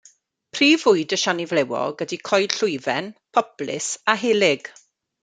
Prif fwyd y siani flewog ydy coed llwyfen, poplys a helyg.